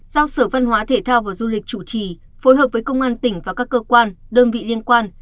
giao sở văn hóa thể thao và du lịch chủ trì phối hợp với công an tỉnh và các cơ quan đơn vị liên quan